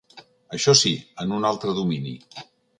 Això sí, en un altre domini.